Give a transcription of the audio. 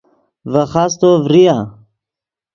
ڤے خاستو ڤریا